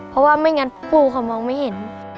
เพราะว่าไม่งั้นปูเขามองไม่เห็น